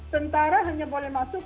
tentara hanya boleh masuk